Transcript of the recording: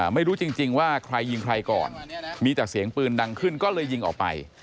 ไม่รู้จริงว่าใครยิงใครก่อนมีแต่เสียงปืนดังขึ้นก็เลยยิงออกไป